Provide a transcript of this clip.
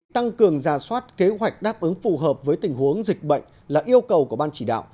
tăng cường ra soát kế hoạch đáp ứng phù hợp với tình huống dịch bệnh là yêu cầu của ban chỉ đạo